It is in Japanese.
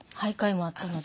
徘徊もあったので。